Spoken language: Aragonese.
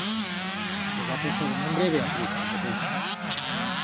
Le va posar de nombre Beatriz, como tu.